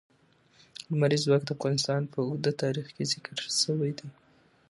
لمریز ځواک د افغانستان په اوږده تاریخ کې ذکر شوی دی.